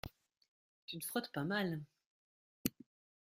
Tu ne frottes pas mal…